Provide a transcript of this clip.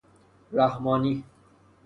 رحمانی